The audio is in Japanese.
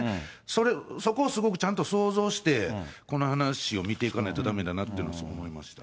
それ、そこをすごくちゃんと想像して、この話を見ていかないとだめだなってすごく思いました。